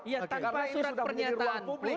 karena ini sudah punya di ruang publik